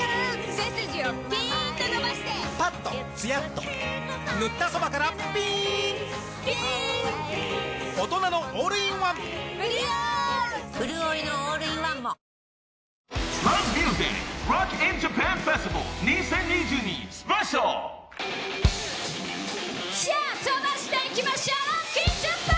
とばしていきましょう！